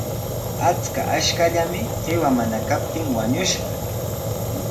Achka ashkallami qiwa mana kaptin wañushqa.